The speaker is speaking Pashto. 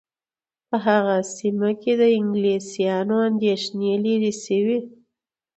په هغه سیمه کې د انګلیسیانو اندېښنې لیرې شوې.